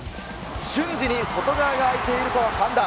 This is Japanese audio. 瞬時に外側が空いていると判断。